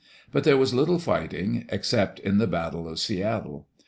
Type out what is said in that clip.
But there was little fighting, except in the battle of Seattle.